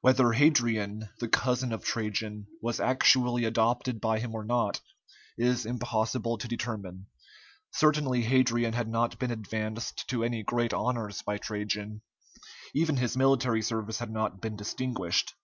Whether Hadrian, the cousin of Trajan, was actually adopted by him or not, is impossible to determine; certainly Hadrian had not been advanced to any great honors by Trajan. Even his military service had not been distinguished.